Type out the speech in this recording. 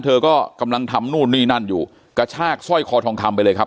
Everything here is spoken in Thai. เธอก็กำลังทำนู่นนี่นั่นอยู่กระชากสร้อยคอทองคำไปเลยครับ